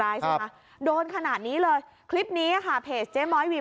ไม่ว่าถ้าเราเข้าไปอะ